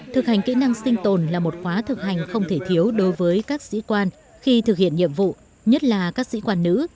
thực hành kỹ năng sinh tồn là một khóa thực hành không thể thiếu đối với các sĩ quan khi thực hiện nhiệm vụ nhất là các sĩ quan nữ